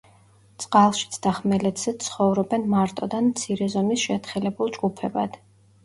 წყალშიც და ხმელეთზეც ცხოვრობენ მარტოდ ან მცირე ზომის შეთხელებულ ჯგუფებად.